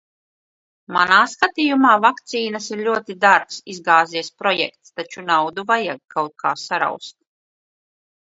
Manā skatījumā vakcīnas ir ļoti dārgs izgāzies projekts, taču naudu vajag kaut kā saraust...